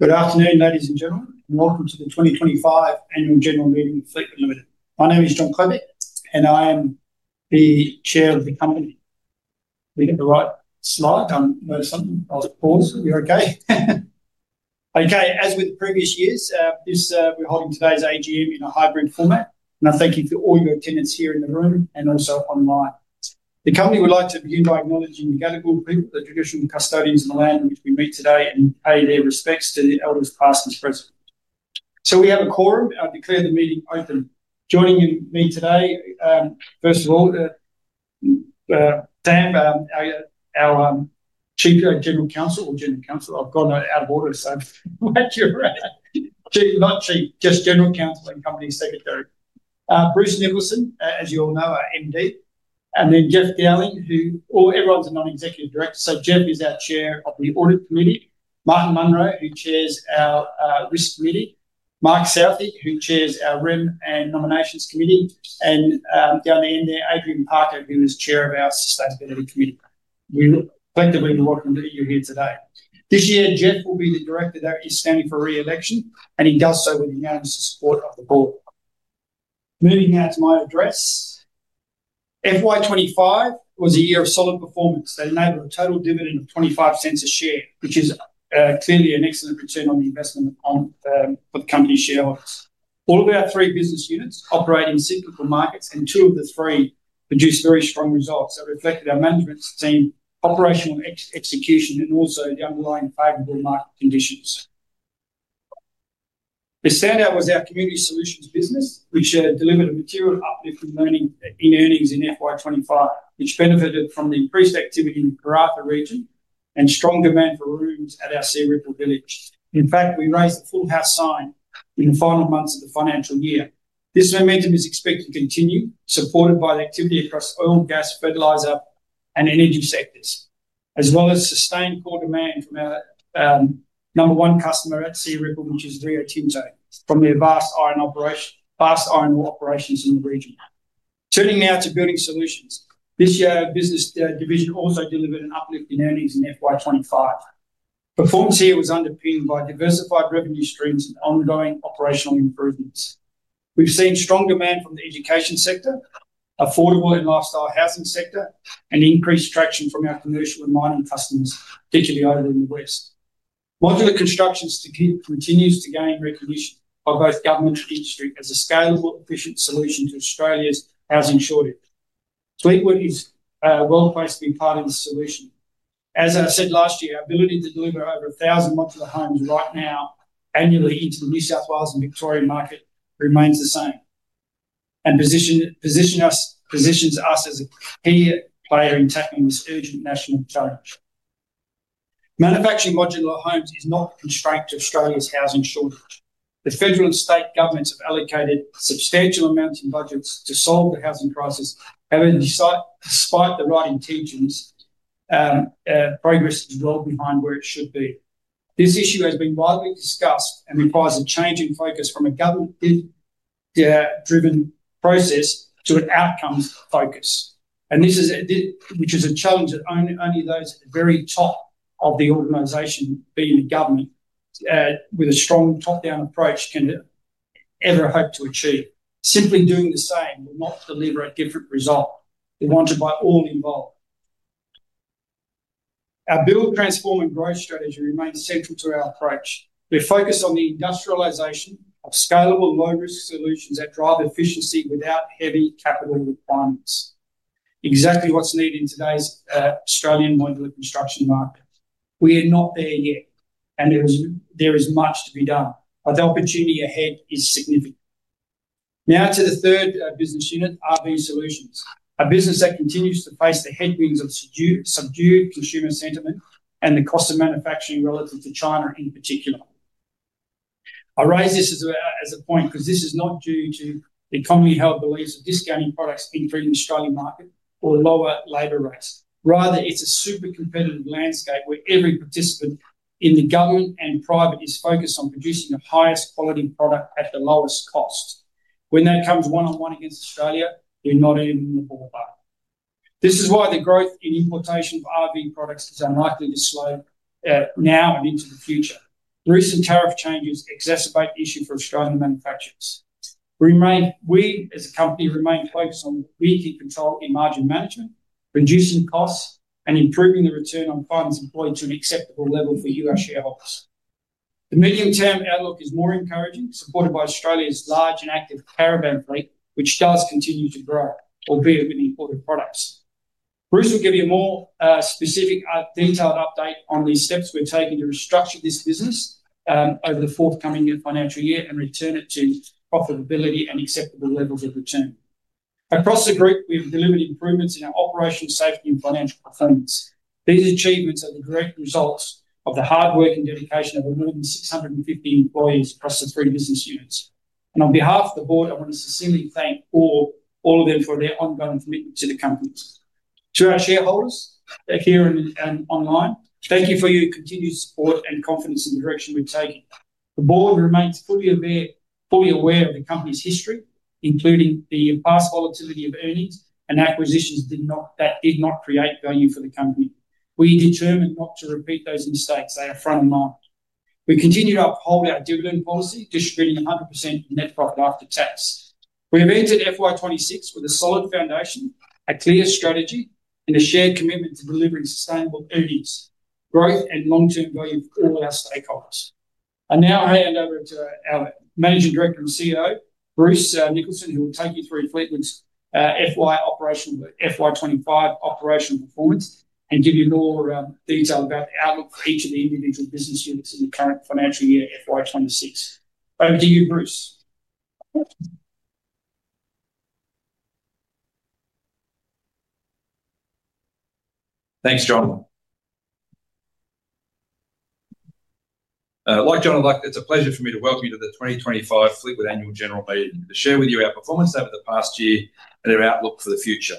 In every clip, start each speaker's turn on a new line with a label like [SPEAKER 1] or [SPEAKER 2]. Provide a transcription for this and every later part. [SPEAKER 1] Good afternoon, ladies and gentlemen, and welcome to the 2025 annual general meeting of Fleetwood Limited. My name is John Klepec, and I am the Chair of the company. Did I get the right slide? I noticed something. I'll pause if you're okay. Okay, as with previous years, we're holding today's AGM in a hybrid format, and I thank you for all your attendance here in the room and also online. The company would like to begin by acknowledging the Gadigal people, the traditional custodians of the land in which we meet today, and pay their respects to the elders past and present. We have a quorum. I declare the meeting open. Joining me today, first of all, Sam, our General Counsel and Company Secretary. Bruce Nicholson, as you all know, our MD, and then Jeff Dowling, who is a Non-Executive Director and Chair of the Audit Committee. Martin Monro, who chairs our Risk Committee. Mark Southey, who chairs our Remuneration and Nominations Committee. Down the end there, Adrienne Parker, who is Chair of our Sustainability Committee. We're pleased to be welcoming you here today. This year, Jeff will be the director that is standing for re-election, and he does so with the unanimous support of the board. Moving now to my address. FY 2025 was a year of solid performance. They enabled a total dividend of 0.25 a share, which is clearly an excellent return on the investment for the company's shareholders. All of our three business units operate in cyclical markets, and two of the three produced very strong results that reflected our management team's operational execution and also the underlying favorable market conditions. The standout was our Community Solutions business, which delivered a material uplift in earnings in FY 2025, which benefited from the increased activity in the Karratha region and strong demand for rooms at our Searipple Village. In fact, we raised a full house sign in the final months of the financial year. This momentum is expected to continue, supported by the activity across oil, gas, fertilizer, and energy sectors, as well as sustained core demand from our number one customer at Searipple, which is Rio Tinto from their vast iron ore operations in the region. Turning now to Building Solutions, this year our business division also delivered an uplift in earnings in FY 2025. Performance here was underpinned by diversified revenue streams and ongoing operational improvements. We've seen strong demand from the education sector, affordable and lifestyle housing sector, and increased traction from our commercial and mining customers, particularly over in the West. Modular construction continues to gain recognition by both government and industry as a scalable, efficient solution to Australia's housing shortage. Fleetwood is well placed to be part of the solution. As I said last year, our ability to deliver over 1,000 modular homes right now annually into the New South Wales and Victoria market remains the same and positions us as a key player in tackling this urgent national challenge. Manufacturing modular homes is not a constraint to Australia's housing shortage. The federal and state governments have allocated substantial amounts in budgets to solve the housing crisis, however, despite the right intentions, progress is well behind where it should be. This issue has been widely discussed and requires a change in focus from a government-driven process to an outcomes focus. This is a challenge that only those at the very top of the organization, being the government, with a strong top-down approach, can ever hope to achieve. Simply doing the same will not deliver a different result wanted by all involved. Our Build, Transform, and Grow strategy remains central to our approach. We're focused on the industrialization of scalable, low-risk solutions that drive efficiency without heavy capital requirements. Exactly what's needed in today's Australian modular construction market. We are not there yet, and there is much to be done, but the opportunity ahead is significant. Now to the third business unit, RV Solutions, a business that continues to face the headwinds of subdued consumer sentiment and the cost of manufacturing relative to China in particular. I raise this as a point because this is not due to the commonly held beliefs of discounting products entering the Australian market or lower labor rates. Rather, it's a super competitive landscape where every participant in the government and private is focused on producing the highest quality product at the lowest cost. When that comes one-on-one against Australia, they're not even in the ballpark. This is why the growth in importation of RV products is unlikely to slow now and into the future. The recent tariff changes exacerbate the issue for Australian manufacturers. We as a company remain focused on what we can control in margin management, reducing costs, and improving the return on funds employed to an acceptable level for you, our shareholders. The medium-term outlook is more encouraging, supported by Australia's large and active caravan fleet, which does continue to grow, albeit with the imported products. Bruce will give you a more specific, detailed update on the steps we're taking to restructure this business over the forthcoming financial year and return it to profitability and acceptable levels of return. Across the group, we've delivered improvements in our operational safety and financial performance. These achievements are the great results of the hard work and dedication of more than 650 employees across the three business units. On behalf of the Board, I want to sincerely thank all of them for their ongoing commitment to the company. To our shareholders here and online, thank you for your continued support and confidence in the direction we're taking. The Board remains fully aware of the company's history, including the past volatility of earnings and acquisitions that did not create value for the company. We are determined not to repeat those mistakes. They are front of mind. We continue to uphold our dividend policy, distributing 100% of net profit after tax. We have entered FY 2026 with a solid foundation, a clear strategy, and a shared commitment to delivering sustainable earnings, growth, and long-term value for all our stakeholders. I now hand over to our Managing Director and CEO, Bruce Nicholson, who will take you through Fleetwood's FY 2025 operational performance and give you more detail about the outlook for each of the individual business units in the current financial year, FY 2026. Over to you, Bruce.
[SPEAKER 2] Thanks, John. Like John, it's a pleasure for me to welcome you to the 2025 Fleetwood annual general meeting and to share with you our performance over the past year and our outlook for the future.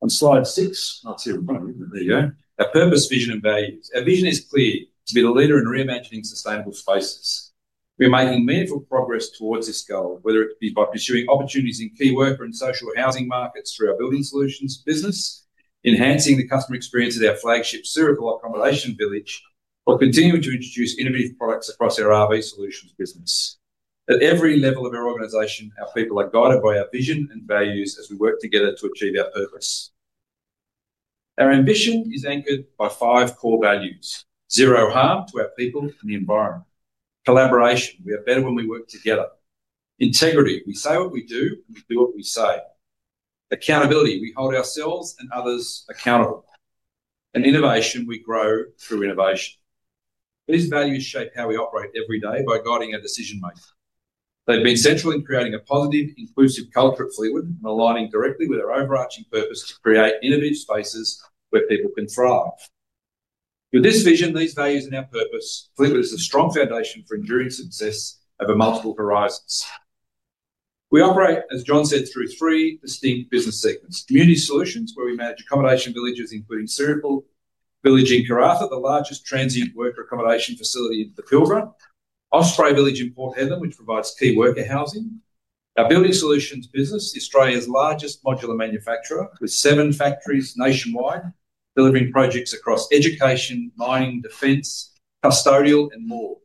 [SPEAKER 2] On slide six, our purpose, vision, and values. Our vision is clear to be the leader in reimagining sustainable spaces. We're making meaningful progress towards this goal, whether it be by pursuing opportunities in key worker and social housing markets through our Building Solutions business, enhancing the customer experience of our flagship Searipple Village accommodation, or continuing to introduce innovative products across our RV Solutions business. At every level of our organization, our people are guided by our vision and values as we work together to achieve our purpose. Our ambition is anchored by five core values: zero harm to our people and the environment, collaboration, we are better when we work together, integrity, we say what we do and we do what we say, accountability, we hold ourselves and others accountable, and innovation, we grow through innovation. These values shape how we operate every day by guiding our decision-making. They've been central in creating a positive, inclusive culture at Fleetwood and aligning directly with our overarching purpose to create innovative spaces where people can thrive. With this vision, these values, and our purpose, Fleetwood is a strong foundation for enduring success over multiple horizons. We operate, as John said, through three distinct business segments: Community Solutions, where we manage accommodation villages, including Searipple Village in Karratha, the largest transient worker accommodation facility in the Pilbara, Osprey Village in Port Hedland, which provides key worker housing, our Building Solutions business, Australia's largest modular manufacturer with seven factories nationwide, delivering projects across education, mining, defense, custodial, and more,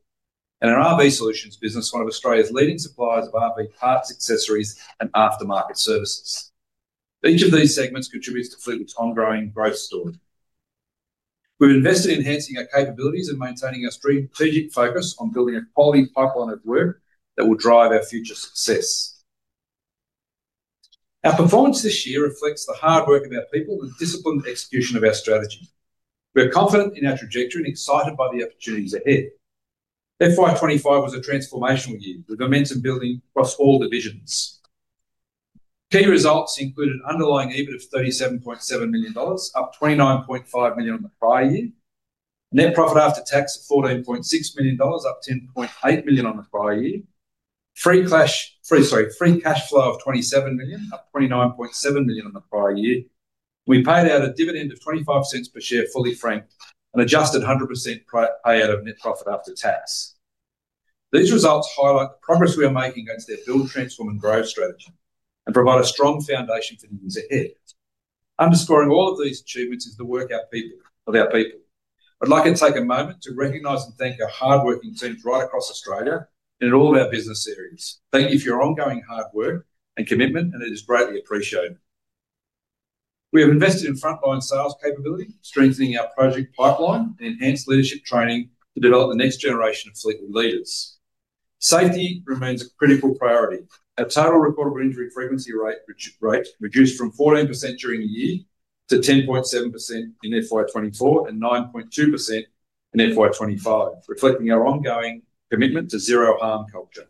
[SPEAKER 2] and our RV Solutions business, one of Australia's leading suppliers of RV parts, accessories, and aftermarket services. Each of these segments contributes to Fleetwood's ongoing growth story. We've invested in enhancing our capabilities and maintaining our strategic focus on building a quality pipeline of work that will drive our future success. Our performance this year reflects the hard work of our people and the disciplined execution of our strategy. We're confident in our trajectory and excited by the opportunities ahead. FY 2025 was a transformational year with momentum building across all divisions. Key results included an underlying EBIT of 37.7 million dollars, up 29.5 million on the prior year, net profit after tax of 14.6 million dollars, up 10.8 million on the prior year, free cash flow of 27 million, up 29.7 million on the prior year. We paid out a dividend of 0.25 per share, fully franked, and adjusted 100% payout of net profit after tax. These results highlight the progress we are making against their Build, Transform, and Grow strategy and provide a strong foundation for the years ahead. Underscoring all of these achievements is the work of our people. I'd like to take a moment to recognize and thank our hard-working teams right across Australia and in all of our business areas. Thank you for your ongoing hard work and commitment, and it is greatly appreciated. We have invested in frontline sales capability, strengthening our project pipeline, and enhanced leadership training to develop the next generation of Fleetwood leaders. Safety remains a critical priority. Our total recordable injury frequency rate reduced from 14% during the year to 10.7% in FY 2024 and 9.2% in FY 2025, reflecting our ongoing commitment to zero harm culture.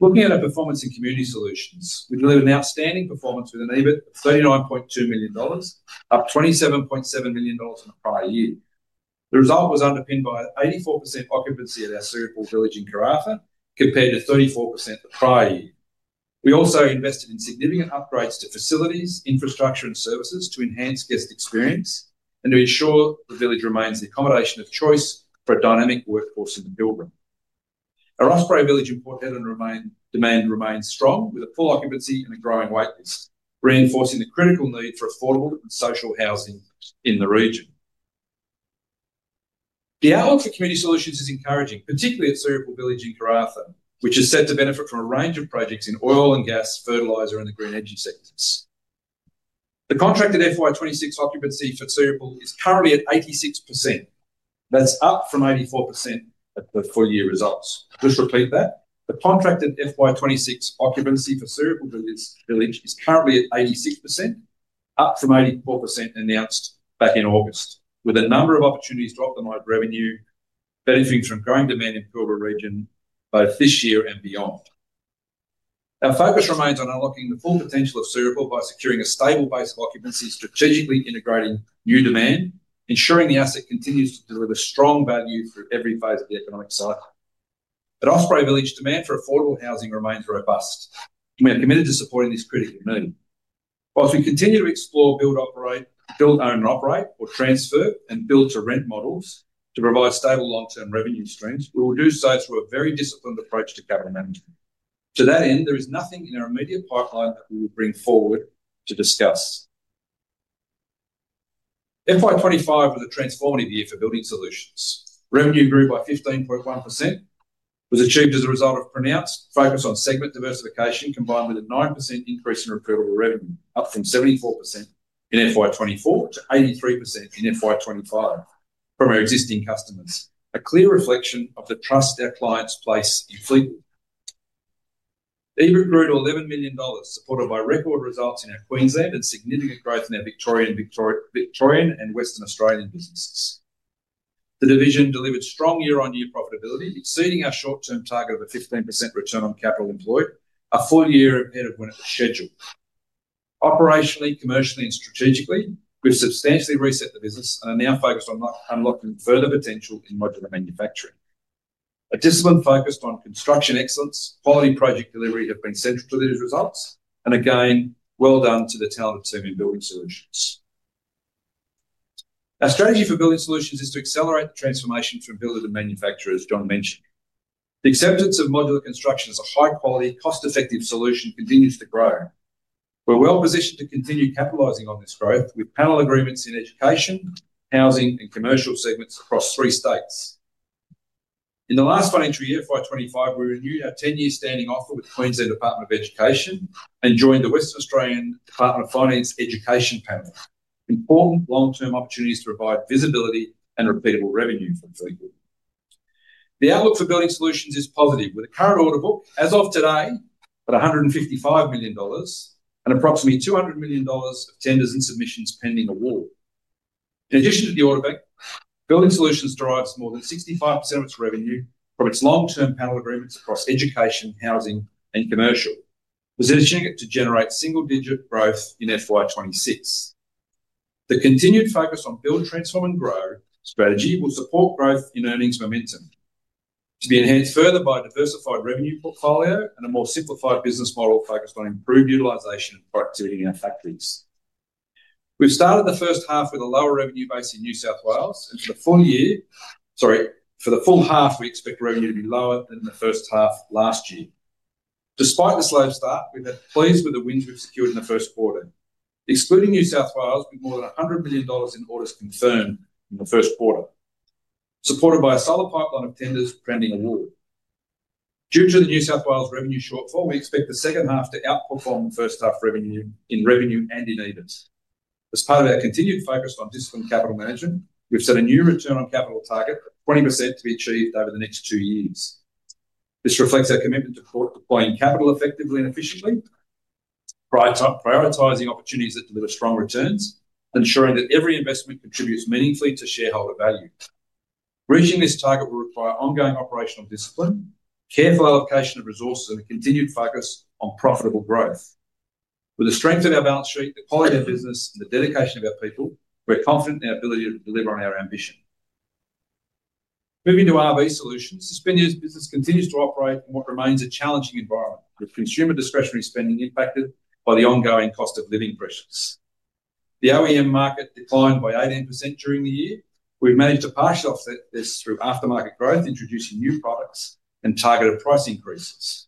[SPEAKER 2] Looking at our performance in Community Solutions, we delivered an outstanding performance with an EBIT of AUD 39.2 million, up AUD 27.7 million on the prior year. The result was underpinned by 84% occupancy at our Searipple Village in Karratha compared to 34% the prior year. We also invested in significant upgrades to facilities, infrastructure, and services to enhance guest experience and to ensure the village remains the accommodation of choice for a dynamic workforce in the Pilbara. At our Osprey Village in Port Hedland, the demand remains strong with a full occupancy and a growing waitlist, reinforcing the critical need for affordable and social housing in the region. The outlook for Community Solutions is encouraging, particularly at Searipple Village in Karratha, which is set to benefit from a range of projects in oil and gas, fertilizer, and the green energy sectors. The contracted FY 2026 occupancy for Searipple is currently at 86%. That's up from 84% at the full-year results. I'll just repeat that. The contracted FY 2026 occupancy for Searipple Village is currently at 86%, up from 84% announced back in August, with a number of opportunities to optimize revenue, benefiting from growing demand in the Pilbara region both this year and beyond. Our focus remains on unlocking the full potential of Searipple by securing a stable base of occupancy, strategically integrating new demand, ensuring the asset continues to deliver strong value through every phase of the economic cycle. At Osprey Village, demand for affordable housing remains robust, and we are committed to supporting this critical need. Whilst we continue to explore build, operate, build, own, operate, or transfer, and build to rent models to provide stable long-term revenue streams, we will do so through a very disciplined approach to capital management. To that end, there is nothing in our immediate pipeline that we will bring forward to discuss. FY 2025 was a transformative year for Building Solutions. Revenue grew by 15.1%, achieved as a result of pronounced focus on segment diversification, combined with a 9% increase in recordable revenue, up from 74% in FY 2024 to 83% in FY 2025 from our existing customers, a clear reflection of the trust our clients place in Fleetwood. EBIT grew to 11 million dollars, supported by record results in our Queensland and significant growth in our Victorian and Western Australian businesses. The division delivered strong year-on-year profitability, exceeding our short-term target of a 15% return on capital employed, a full year ahead of when it was scheduled. Operationally, commercially, and strategically, we've substantially reset the business and are now focused on unlocking further potential in modular manufacturing. A disciplined focus on construction excellence and quality project delivery have been central to these results, and again, well done to the talented team in Building Solutions. Our strategy for Building Solutions is to accelerate the transformation from builder to manufacturer, as John mentioned. The acceptance of modular construction as a high-quality, cost-effective solution continues to grow. We're well positioned to continue capitalizing on this growth with panel agreements in education, housing, and commercial segments across three states. In the last financial year, FY 2025, we renewed our 10-year standing offer with the Queensland Department of Education and joined the Western Australian Department of Finance education panel. Important long-term opportunities to provide visibility and repeatable revenue for Fleetwood. The outlook for Building Solutions is positive with a current order book as of today at 155 million dollars and approximately 200 million dollars of tenders and submissions pending award. In addition to the order book, Building Solutions derives more than 65% of its revenue from its long-term panel agreements across education, housing, and commercial, positioning it to generate single-digit growth in FY 2026. The continued focus on Build, Transform, and Grow strategy will support growth in earnings momentum, to be enhanced further by a diversified revenue portfolio and a more simplified business model focused on improved utilization and productivity in our factories. We've started the first half with a lower revenue base in New South Wales, and for the full half, we expect revenue to be lower than the first half last year. Despite the slow start, we've been pleased with the wins we've secured in the first quarter, excluding New South Wales with more than 100 million dollars in orders confirmed in the first quarter, supported by a solid pipeline of tenders pending award. Due to the New South Wales revenue shortfall, we expect the second half to outperform the first half in revenue and in EBIT. As part of our continued focus on disciplined capital management, we've set a new return on capital target of 20% to be achieved over the next two years. This reflects our commitment to deploying capital effectively and efficiently, prioritizing opportunities that deliver strong returns, ensuring that every investment contributes meaningfully to shareholder value. Reaching this target will require ongoing operational discipline, careful allocation of resources, and a continued focus on profitable growth. With the strength of our balance sheet, the quality of business, and the dedication of our people, we're confident in our ability to deliver on our ambition. Moving to RV Solutions, this business continues to operate in what remains a challenging environment with consumer discretionary spending impacted by the ongoing cost of living pressures. The OEM market declined by 18% during the year. We've managed to partially offset this through aftermarket growth, introducing new products and targeted price increases.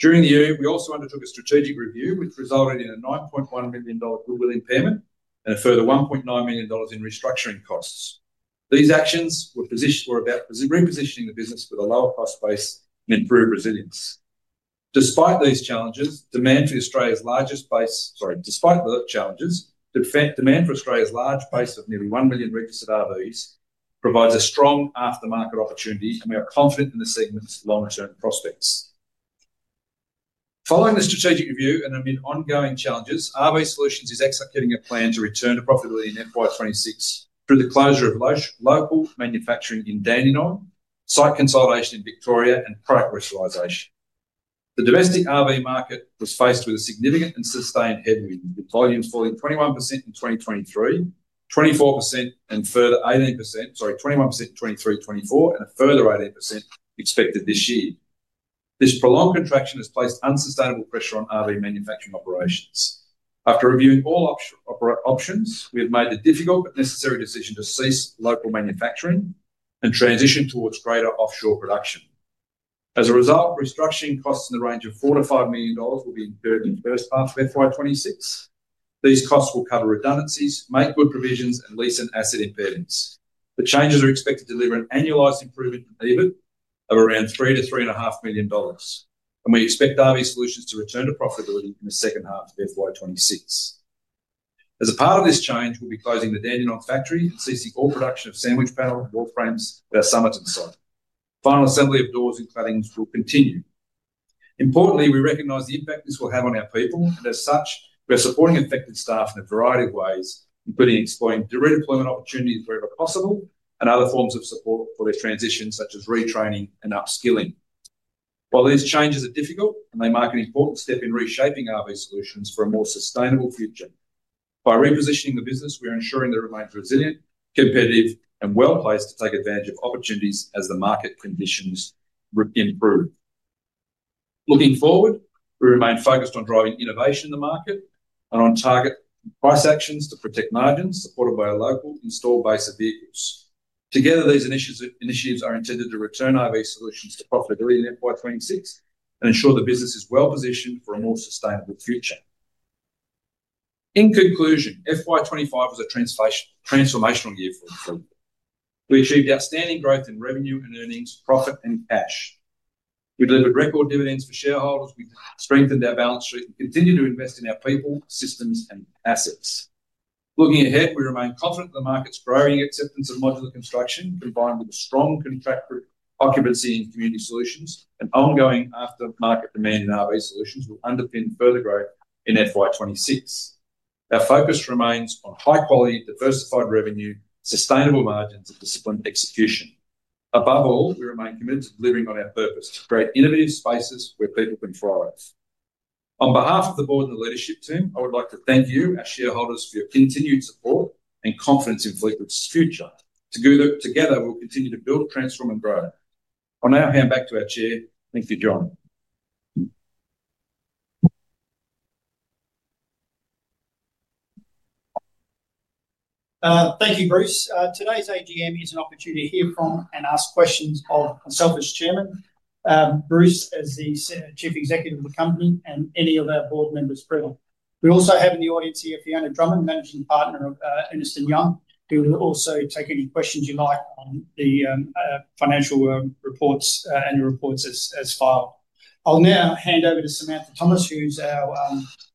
[SPEAKER 2] During the year, we also undertook a strategic review, which resulted in a 9.1 million dollar goodwill impairment and a further 1.9 million dollars in restructuring costs. These actions were about repositioning the business with a lower cost base and improved resilience. Despite these challenges, demand for Australia's large base of nearly 1 million registered RVs provides a strong aftermarket opportunity, and we are confident in the segment's longer-term prospects. Following the strategic review and amid ongoing challenges, RV Solutions is executing a plan to return to profitability in FY 2026 through the closure of local manufacturing in Dandenong, site consolidation in Victoria, and product rationalization. The domestic RV market was faced with a significant and sustained headwind, with volumes falling 21% in 2023, 24% in 2024, and a further 18% expected this year. This prolonged contraction has placed unsustainable pressure on RV manufacturing operations. After reviewing all options, we have made the difficult but necessary decision to cease local manufacturing and transition towards greater offshore production. As a result, restructuring costs in the range of 4 million-5 million dollars will be incurred in the first half of FY 2026. These costs will cover redundancies, make good provisions, and lease and asset impairments. The changes are expected to deliver an annualised improvement in EBIT of around 3 million-3.5 million dollars, and we expect RV Solutions to return to profitability in the second half of FY 2026. As a part of this change, we'll be closing the Dandenong factory and ceasing all production of sandwich panel and wall frames at our summiting site. Final assembly of doors and claddings will continue. Importantly, we recognize the impact this will have on our people, and as such, we're supporting affected staff in a variety of ways, including exploring redeployment opportunities wherever possible and other forms of support for their transition, such as retraining and upskilling. While these changes are difficult and they mark an important step in reshaping RV Solutions for a more sustainable future, by repositioning the business, we are ensuring that it remains resilient, competitive, and well placed to take advantage of opportunities as the market conditions improve. Looking forward, we remain focused on driving innovation in the market and on target price actions to protect margins, supported by a local installed base of vehicles. Together, these initiatives are intended to return RV Solutions to profitability in FY 2026 and ensure the business is well positioned for a more sustainable future. In conclusion, FY 2025 was a transformational year for Fleetwood. We achieved outstanding growth in revenue and earnings, profit, and cash. We delivered record dividends for shareholders. We strengthened our balance sheet and continue to invest in our people, systems, and assets. Looking ahead, we remain confident that the market's growing acceptance of modular construction, combined with a strong contract occupancy in Community Solutions and ongoing aftermarket demand in RV Solutions, will underpin further growth in FY 2026. Our focus remains on high quality, diversified revenue, sustainable margins, and disciplined execution. Above all, we remain committed to delivering on our purpose to create innovative spaces where people can thrive. On behalf of the Board and the leadership team, I would like to thank you, our shareholders, for your continued support and confidence in Fleetwood's future. Together, we'll continue to build, transform, and grow. On our hand, back to our Chair. Thank you, John.
[SPEAKER 1] Thank you, Bruce. Today's AGM is an opportunity to hear from and ask questions of himself as Chairman, Bruce as the Chief Executive of the company, and any of our board members present. We also have in the audience here Fiona Drummond, Managing Partner of Ernst & Young, who will also take any questions you like on the financial reports and the reports as filed. I'll now hand over to Samantha Thomas, who's our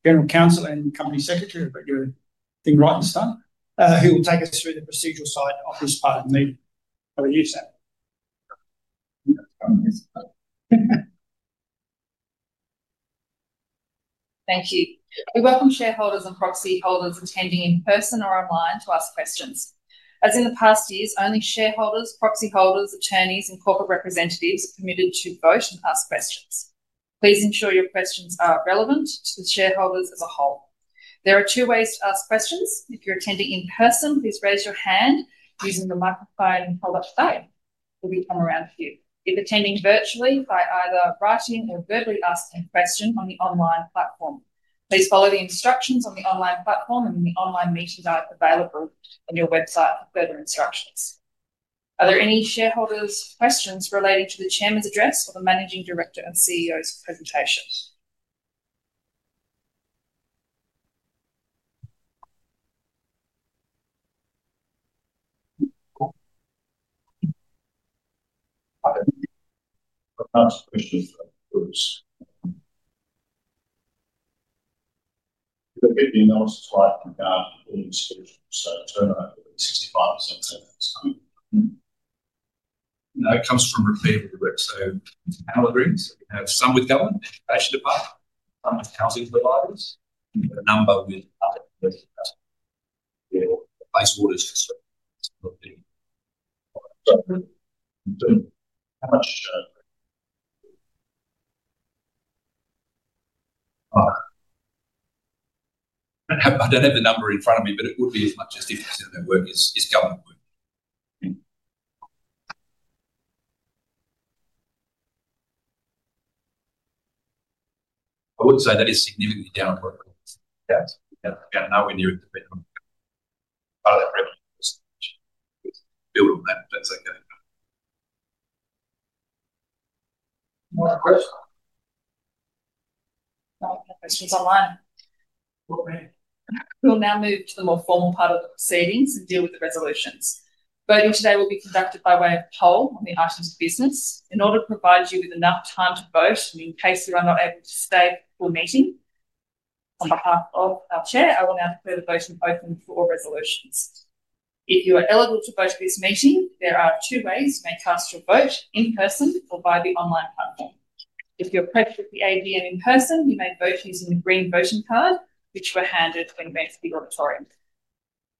[SPEAKER 1] General Counsel and Company Secretary. I hope you're doing right and sound, who will take us through the procedural side of this part of the meeting. Over to you, Sam.
[SPEAKER 3] Thank you. We welcome shareholders and proxy holders attending in person or online to ask questions. As in the past years, only shareholders, proxy holders, attorneys, and corporate representatives are permitted to vote and ask questions. Please ensure your questions are relevant to the shareholders as a whole. There are two ways to ask questions. If you're attending in person, please raise your hand using the microphone and hold up your phone. We'll be coming around for you. If attending virtually by either writing or verbally asking a question on the online platform, please follow the instructions on the online platform and in the online meetings available on our website for further instructions. Are there any shareholders' questions relating to the Chairman's address or the Managing Director and CEO's presentation?
[SPEAKER 4] We have some with government and education department, some with housing providers, and a number with
[SPEAKER 1] I don't have the number in front of me, but it would be as much as 50% of that work is government work. I would say that is significantly down.
[SPEAKER 4] Yeah. Now we're nearing the bottom of that revenue. We'll build on that if that's okay.
[SPEAKER 1] More questions?
[SPEAKER 3] No questions online. We'll now move to the more formal part of the proceedings and deal with the resolutions. Voting today will be conducted by way of poll on the items of business. In order to provide you with enough time to vote, and in case you are not able to stay for the meeting, on behalf of our Chair, I will now declare the voting open for resolutions. If you are eligible to vote for this meeting, there are two ways you may cast your vote: in person or via the online platform. If you're present at the AGM in person, you may vote using the green voting card, which you are handed when you enter the auditorium.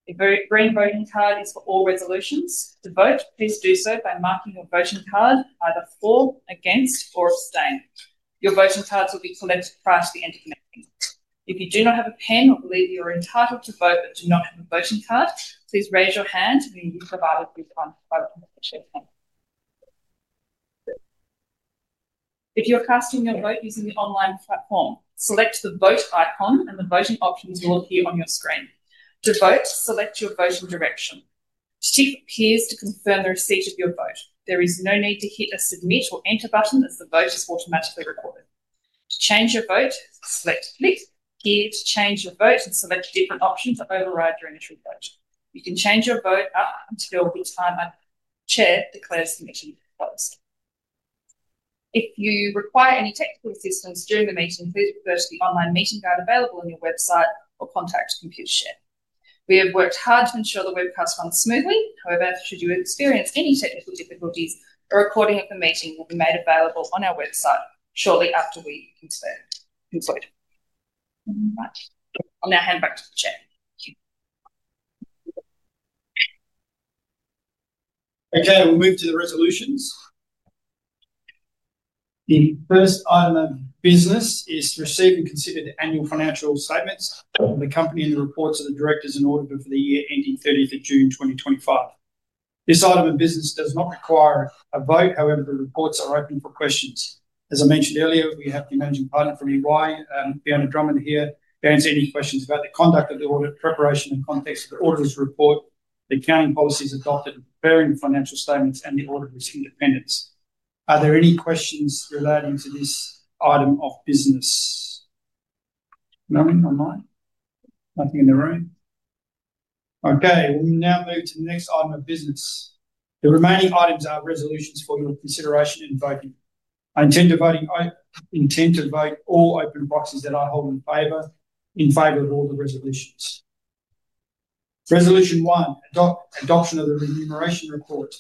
[SPEAKER 3] The green voting card is for all resolutions. To vote, please do so by marking your voting card either for, against, or abstain. Your voting cards will be collected prior to the end of the meeting. If you do not have a pen or believe you are entitled to vote but do not have a voting card, please raise your hand and be provided with one by the. If you are casting your vote using the online platform, select the vote icon and the voting options will appear on your screen. To vote, select your voting direction. The check appears to confirm the receipt of your vote. There is no need to hit a submit or enter button as the vote is automatically recorded. To change your vote, select click. Here, to change your vote, select a different option to override your initial vote. You can change your vote until the time our Chair declares the meeting closed. If you require any technical assistance during the meeting, please refer to the online meeting guide available on our website or contact Computershare. We have worked hard to ensure the webcast runs smoothly. However, should you experience any technical difficulties, a recording of the meeting will be made available on our website shortly after we conclude. I'll now hand back to the Chair.
[SPEAKER 1] Okay, we'll move to the resolutions. The first item of business is to receive and consider the annual financial statements of the company and the reports of the directors and auditor for the year ending 30th of June 2025. This item of business does not require a vote. However, the reports are open for questions. As I mentioned earlier, we have the Managing Partner from EY, Fiona Drummond, here to answer any questions about the conduct of the audit, preparation, and context of the auditor's report, the accounting policies adopted in preparing the financial statements, and the auditor's independence. Are there any questions relating to this item of business? None online. Nothing in the room. Okay, we'll now move to the next item of business. The remaining items are resolutions for your consideration and voting. I intend to vote all open proxies that I hold in favor in favor of all the resolutions. Resolution one, adoption of the remuneration report.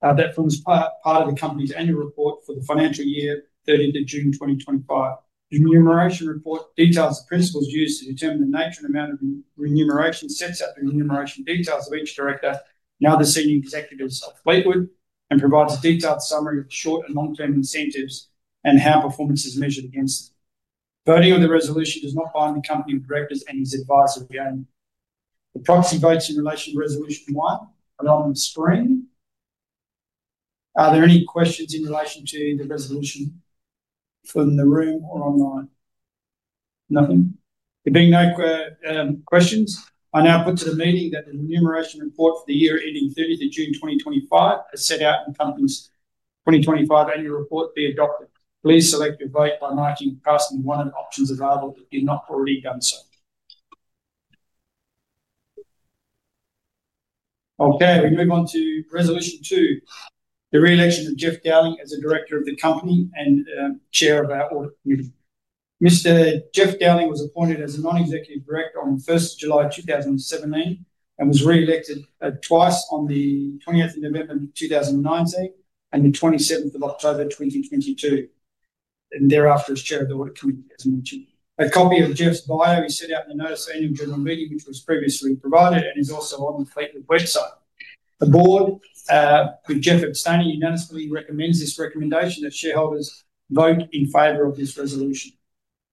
[SPEAKER 1] That forms part of the company's annual report for the financial year, 30th of June 2025. The remuneration report details the principles used to determine the nature and amount of remuneration, sets out the remuneration details of each director and other senior executives of Fleetwood, and provides a detailed summary of the short and long-term incentives and how performance is measured against them. Voting of the resolution does not bind the company or directors and is advisory only. The proxy votes in relation to resolution one are on the screen. Are there any questions in relation to the resolution from the room or online? Nothing. There being no questions, I now put to the meeting that the remuneration report for the year ending 30th of June 2025 as set out in the company's 2025 annual report be adopted. Please select your vote by marking or passing one of the options available if you've not already done so. Okay, we move on to resolution two, the reelection of Jeff Dowling as a director of the company and Chair of our Audit Committee. Mr. Jeff Dowling was appointed as a Non-Executive Director on the 1st of July 2017 and was reelected twice on the 20th of November 2019 and the 27th of October 2022. Thereafter, as Chair of the Audit Committee, as mentioned. A copy of Jeff's bio is set out in the notice of the Annual General Meeting, which was previously provided, and is also on the Fleetwood website. The board, with Jeff abstaining, unanimously recommends this recommendation that shareholders vote in favor of this resolution.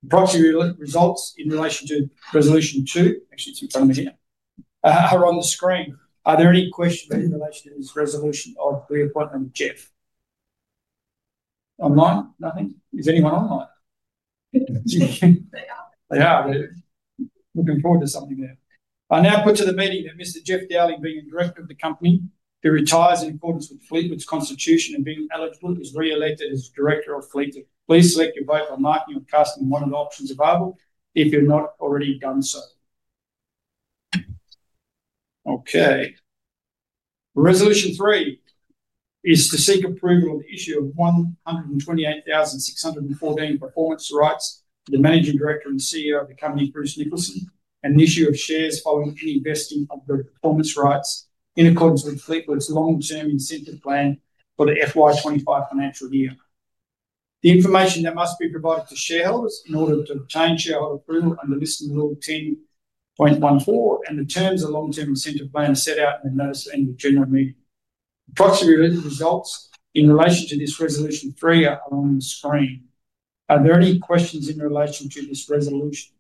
[SPEAKER 1] The proxy results in relation to resolution two, actually, it's in front of me here, are on the screen. Are there any questions in relation to this resolution of the appointment of Jeff? Online? Nothing. Is anyone online?
[SPEAKER 3] Yeah, they are.
[SPEAKER 1] They are. Looking forward to something there. I now put to the meeting that Mr. Jeff Dowling, being a director of the company, who retires in accordance with Fleetwood's constitution and being eligible, is reelected as director of Fleetwood. Please select your vote by marking or casting one of the options available if you've not already done so. Okay. Resolution three is to seek approval of the issue of 128,614 performance rights to the Managing Director and CEO of the company, Bruce Nicholson, and the issue of shares following any vesting of the performance rights in accordance with Fleetwood's long-term incentive plan for the FY 2025 financial year. The information that must be provided to shareholders in order to obtain shareholder approval under Listing Rule 10.14 and the terms of the long-term incentive plan are set out in the notice of the annual general meeting. The proxy results in relation to this resolution three are on the screen. Are there any questions in relation to this resolution?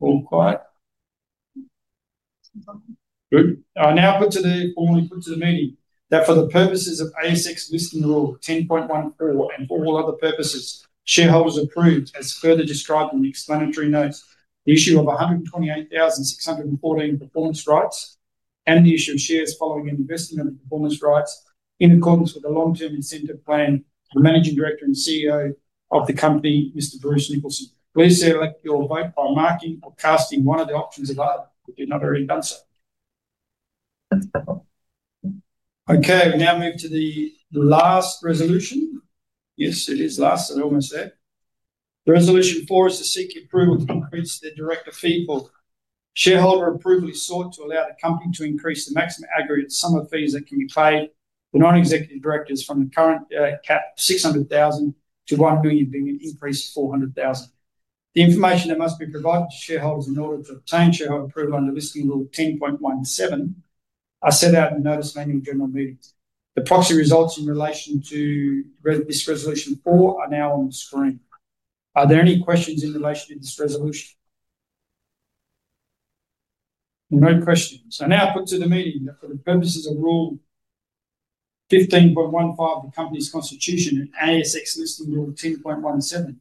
[SPEAKER 1] All quiet? Good. I now formally put to the meeting that for the purposes of ASX Listing Rule 10.14 and for all other purposes, shareholders approve, as further described in the explanatory notes, the issue of 128,614 performance rights and the issue of shares following vesting of the performance rights in accordance with the long-term incentive plan for the Managing Director and CEO of the company, Mr. Bruce Nicholson. Please select your vote by marking or casting one of the options available if you've not already done so. Okay, we now move to the last resolution. Yes, it is last. I almost said. Resolution four is to seek approval to increase the director fee. Shareholder approval is sought to allow the company to increase the maximum aggregate sum of fees that can be paid to non-executive directors from the current cap of 600,000-1 million, being an increase of 400,000. The information that must be provided to shareholders in order to obtain shareholder approval under Listing Rule 10.17 are set out in the notice of the annual general meeting. The proxy results in relation to this resolution four are now on the screen. Are there any questions in relation to this resolution? No questions. I now put to the meeting that for the purposes of Rule 15.15 of the company's constitution and ASX Listing Rule 10.17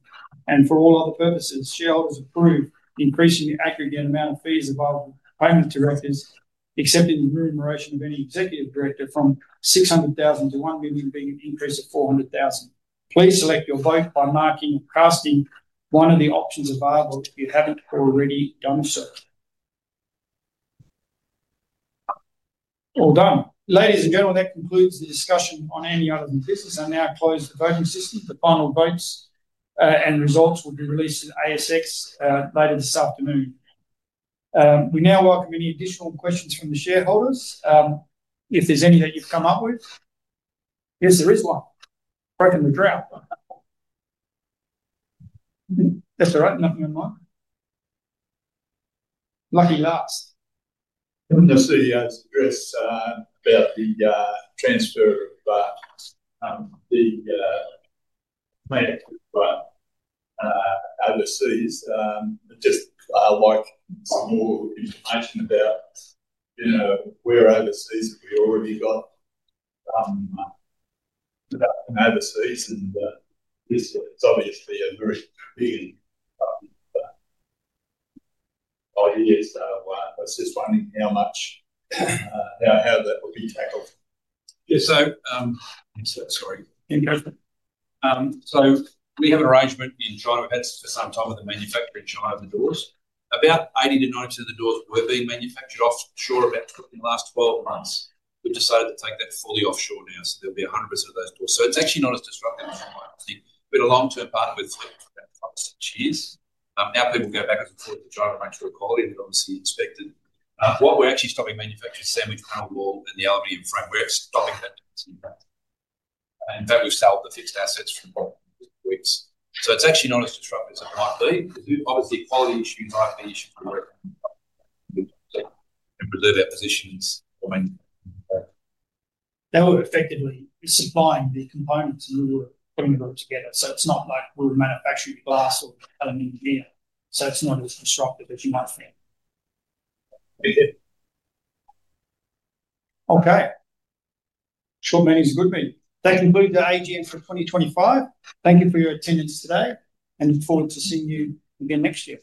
[SPEAKER 1] and for all other purposes, shareholders approve increasing the aggregate amount of fees available to directors, except in the remuneration of any executive director, from 600,000-1 million, being an increase of 400,000. Please select your vote by marking or casting one of the options available if you haven't already done so. All done. Ladies and gentlemen, that concludes the discussion on any other than business. I now close the voting system. The final votes and results will be released in ASX later this afternoon. We now welcome any additional questions from the shareholders, if there's any that you've come up with. Yes, there is one. Broken the drought. That's all right. Nothing on mine. Lucky last.
[SPEAKER 5] I'm the CEO's address about the transfer of the overseas. I'd just like some more information about, you know, we're overseas and we already got an overseas. It's obviously a very big all year. I was just wondering how much how that would be tackled.
[SPEAKER 2] Sorry. We have an arrangement in China. We've had for some time with the manufacturer in China of the doors. About 80%-90% of the doors were being manufactured offshore about in the last 12 months. We've decided to take that fully offshore now, so there'll be 100% of those doors. It's actually not as disruptive as you might think. We had a long-term partner with Fleetwood for about five or six years. Our people go back and forth to try to make sure the quality of it is obviously inspected. What we're actually stopping manufacturing is sandwich panel wall and the aluminium frameworks. In fact, we've sold the fixed assets from what weeks. It's actually not as disruptive as it might be. Obviously, quality issues might be issues we're working on and preserve our positions.
[SPEAKER 1] They were effectively supplying the components, and we were putting it all together. It's not like we're manufacturing the glass or the aluminum here, so it's not as disruptive as you might think.
[SPEAKER 2] Okay. Short meeting is good meeting.
[SPEAKER 1] That concludes our AGM for 2025. Thank you for your attendance today, and look forward to seeing you again next year.